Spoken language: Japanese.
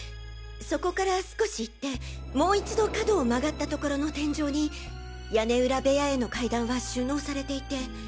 そこから少し行ってもう一度角を曲がった所の天井に屋根裏部屋への階段は収納されていて。